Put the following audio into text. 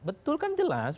betul kan jelas